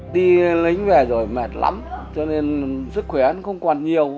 đi lấy về rồi mệt lắm cho nên sức khỏe không còn nhiều